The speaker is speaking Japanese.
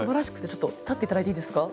ちょっと立って頂いていいですか？